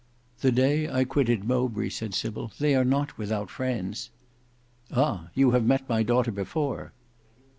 "The day I quitted Mowbray," said Sybil. "They are not without friends." "Ah! you have met my daughter before."